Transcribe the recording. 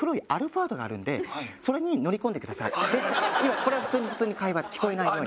これは普通に会話聞こえないように。